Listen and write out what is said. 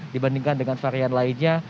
dibandingkan dengan varian lainnya